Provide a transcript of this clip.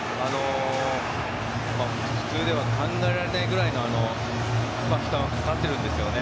普通では考えられないくらいの負担がかかってるんですよね。